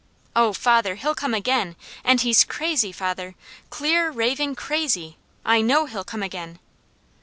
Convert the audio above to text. Oh father, he'll come again, and he's crazy, father! Clear, raving crazy! I know he'll come again!"